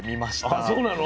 あそうなの？